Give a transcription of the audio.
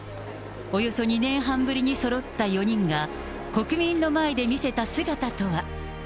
およそ２年半ぶりにそろった４人が、国民の前で見せた姿とは。